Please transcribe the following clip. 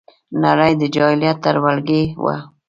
نړۍ د جاهلیت تر ولکې وه